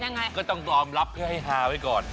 มายังงั้นต้องต้องรับให้ทาไว้ก่อน